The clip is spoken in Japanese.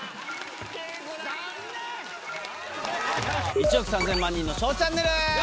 『１億３０００万人のＳＨＯＷチャンネル』！